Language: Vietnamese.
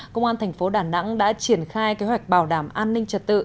công an thành phố đà nẵng đã triển khai kế hoạch bảo đảm an ninh trật tự